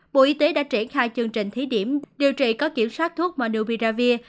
bộ y tế đã triển khai chương trình thí điểm điều trị có kiểm soát thuốc menupiravir